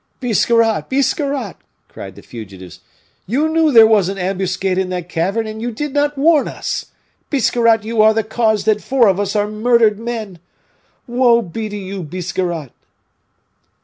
"Biscarrat! Biscarrat!" cried the fugitives, "you knew there was an ambuscade in that cavern, and you did not warn us! Biscarrat, you are the cause that four of us are murdered men! Woe be to you, Biscarrat!"